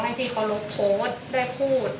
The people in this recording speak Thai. ที่เขาลบโพสต์ได้พูด